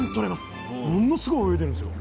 ものすごい泳いでるんですよ